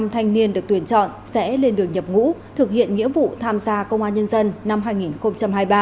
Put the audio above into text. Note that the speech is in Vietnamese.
ba trăm linh năm thanh niên được tuyển chọn sẽ lên đường nhập ngũ thực hiện nghĩa vụ tham gia công an nhân dân năm hai nghìn hai mươi ba